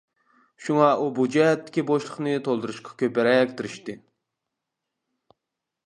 شۇڭا ئۇ بۇ جەھەتتىكى بوشلۇقنى تولدۇرۇشقا كۆپرەك تىرىشتى.